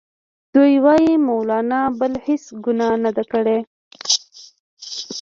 دوی وايي مولنا بله هیڅ ګناه نه ده کړې.